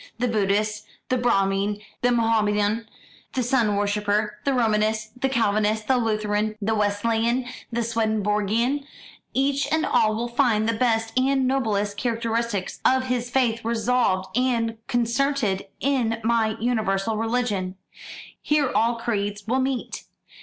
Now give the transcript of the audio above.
The Buddhist, the Brahmin, the Mohamedan, the Sun worshipper, the Romanist, the Calvinist, the Lutheran, the Wesleyan, the Swedenborgian each and all will find the best and noblest characteristics of his faith resolved and concentred in my universal religion. Here all creeds will meet.